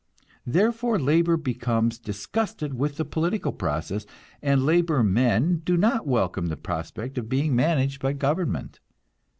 Therefore, labor becomes disgusted with the political process, and labor men do not welcome the prospect of being managed by government.